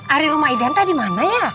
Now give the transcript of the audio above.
ari rumah idan tadi mana ya